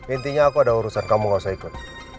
intinya aku ada urusan kamu gak usah ikut